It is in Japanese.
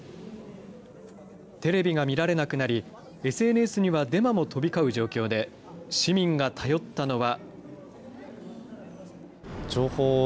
テレビが見られなくなり、ＳＮＳにはデマも飛び交う状況で、市民が頼ったのは。